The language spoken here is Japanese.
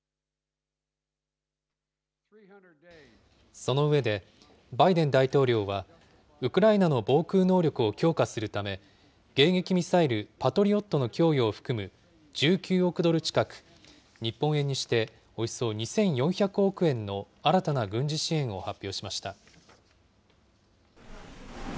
その上で、バイデン大統領は、ウクライナの防空能力を強化するため、迎撃ミサイル、パトリオットの供与を含む１９億ドル近く、日本円にしておよそ２４００億円の新たな軍事支援を発表しました。